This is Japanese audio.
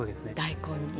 大根に。